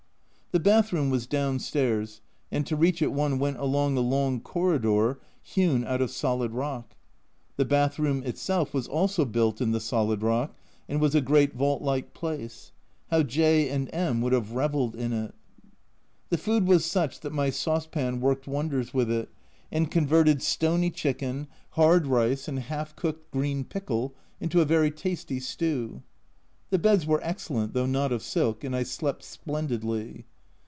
The bath room was downstairs, and to reach it one went along a long corridor hewn out of solid rock. The bath room itself was also built in the solid rock. and was a great vault like place. How J and M would have revelled in it ! The food was such that my saucepan worked wonders with it, and converted stony chicken, hard 128 A Journal from Japan rice, and half cooked green pickle into a very tasty stew. The beds were excellent, though not of silk, and I slept splendidly.